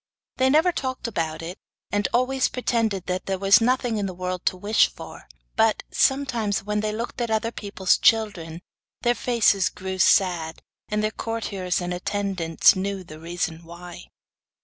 They never talked about it, and always pretended that there was nothing in the world to wish for; but, sometimes when they looked at other people's children, their faces grew sad, and their courtiers and attendants knew the reason why.